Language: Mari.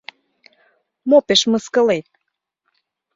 Мо пеш мыскылет?